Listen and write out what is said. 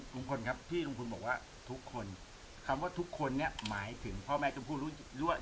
ทุกคนครับที่ทุกคนบอกว่าทุกคนคำว่าทุกคนเนี้ยหมายถึงพ่อแม่จำพูดรู้รู้ว่า